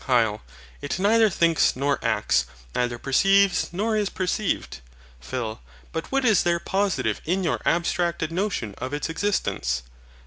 HYL. It neither thinks nor acts, neither perceives nor is perceived. PHIL. But what is there positive in your abstracted notion of its existence?